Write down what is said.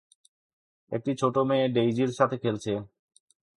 একটি ছোট মেয়ে ডেইজির সাথে খেলছে।